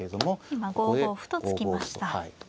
今５五歩と突きました。